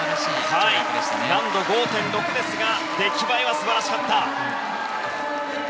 難度５．６ですが出来栄えは素晴らしかった。